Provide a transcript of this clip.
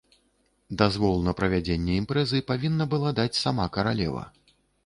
Дазвол на правядзенне імпрэзы павінна была даць сама каралева.